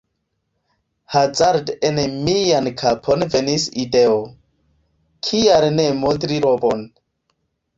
Hazarde en mian kapon venis ideo – kial ne modli robon?